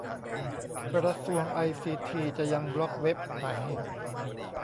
กระทรวงไอซีทีจะยังบล็อคเว็บไหม